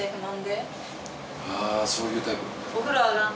あそういうタイプ。